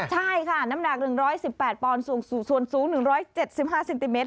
ใช่ค่ะน้ำหนัก๑๑๘ปอนด์ส่วนสูง๑๗๕เซนติเมต